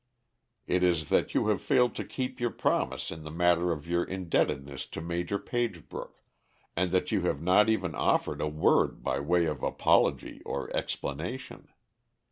It is that you have failed to keep your promise in the matter of your indebtedness to Major Pagebrook, and that you have not even offered a word by way of apology or explanation.